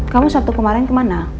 kamu sabtu kemarin kemana